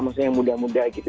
maksudnya yang muda muda gitu